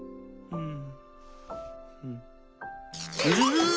うん？